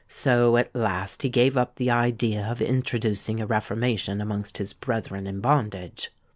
So at last he gave up the idea of introducing a reformation amongst his brethren in bondage.